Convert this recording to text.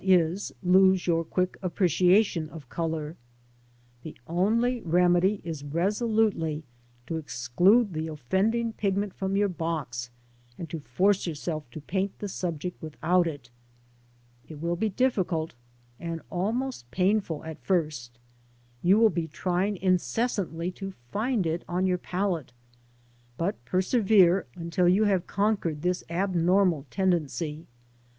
lose your quick appreciation of colour. The only remedy is resolutely to exclude the offending pigment from your box, and to force yourself to paint the subject without it. It will be difficult, and almost painful at first. You will be trying incessantly to find it on your palette, but persevere until you have conquered this abnormal tendency.